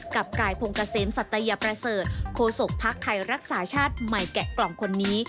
กับกายพงเกษมสัตยประเสริฐโคศกภักดิ์ไทยรักษาชาติใหม่แกะกล่องคนนี้